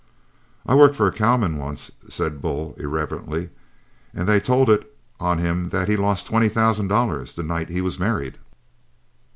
"I worked for a cowman once," said Bull, irrelevantly, "and they told it on him that he lost twenty thousand dollars the night he was married."